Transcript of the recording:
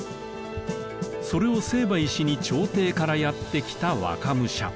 それを成敗しに朝廷からやって来た若武者。